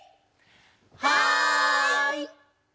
はい！